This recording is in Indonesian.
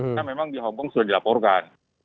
karena memang di hongkong sudah dilaporkan